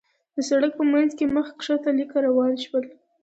د سړک په مينځ کې مخ کښته ليکه روان شول.